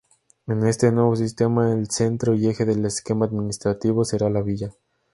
En este nuevo sistema, el centro y eje del esquema administrativo será la Villa.